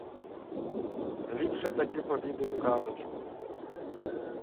— Ліпше-таки повідаю казочку.